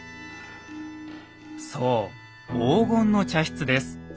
そう黄金の茶室です。